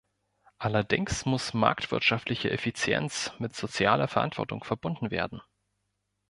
Allerdings muss marktwirtschaftliche Effizienz mit sozialer Verantwortung verbunden werden.